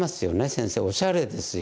先生おしゃれですよ。